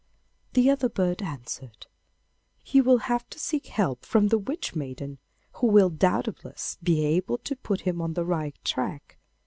The other bird answered, 'He will have to seek help from the Witch maiden, who will doubtless be able to put him on the right track.